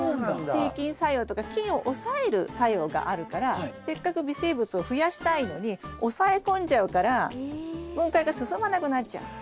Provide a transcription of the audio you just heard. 制菌作用とか菌を抑える作用があるからせっかく微生物を増やしたいのに抑え込んじゃうから分解が進まなくなっちゃう。